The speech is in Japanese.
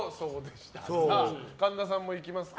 神田さんもいきますか。